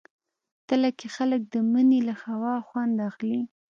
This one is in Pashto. تله کې خلک د مني له هوا خوند اخلي.